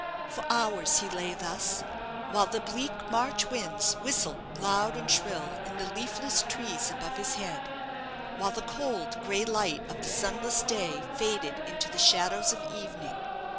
For hours he lay thus, while the bleak March winds whistled loud and shrill in the leafless trees above his head while the cold, gray light of the sunless day faded into the shadows of evening.